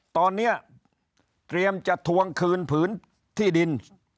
ตอนนี้เตรียมจะทวงคืนผืนที่ดิน